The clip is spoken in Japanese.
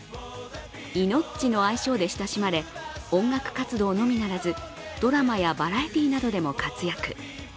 イノッチの相性で親しまれ、音楽活動のみでなくドラマやバラエティーなどでも活躍。